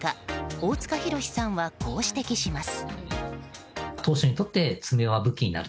大塚裕司はこう指摘します。